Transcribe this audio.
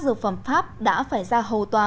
dược phẩm pháp đã phải ra hầu tòa